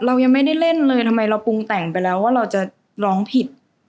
เรายังไม่ได้เล่นเลยทำไมเราปรุงแต่งไปแล้วว่าเราจะร้องผิด